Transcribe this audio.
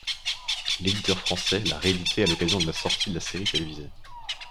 L'éditeur français l'a réédité à l'occasion de la sortie de la série télévisée.